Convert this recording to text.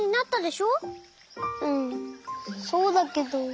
うんそうだけど。